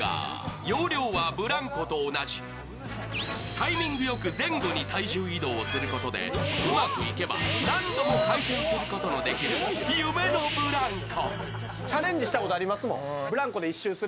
タイミングよく前後に体重移動をすることでうまくいけば何度も回転することのできる夢のブランコ。